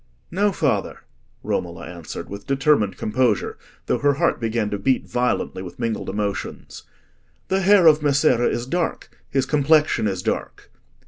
"No, father," Romola answered, with determined composure, though her heart began to beat violently with mingled emotions. "The hair of Messere is dark—his complexion is dark."